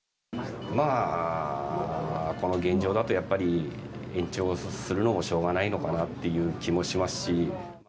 まあ、この現状だと、やっぱり延長するのもしょうがないのかなという気もしますし。